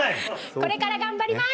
これから頑張ります！